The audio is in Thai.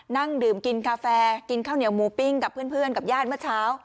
นั่งดื่มกินกาแฟกินข้าวเหนียวหมูปิ้งกับเพื่อนกับญาติเมื่อเช้า